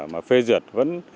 mà phê duyệt vẫn